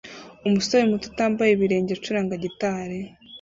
Umusore muto utambaye ibirenge acuranga gitari